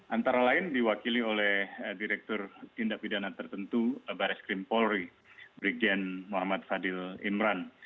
antara lain diwakili oleh direktur tindak bidana tertentu barreskrim polri brigjen muhammad fadil imran